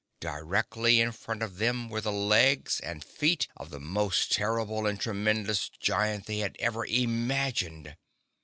Directly in front of them were the legs and feet of the most terrible and tremendous giant they had ever imagined.